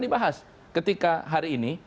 dibahas ketika hari ini